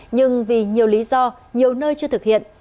nhưng vì nhiều lý do nhiều nơi chưa thực hiện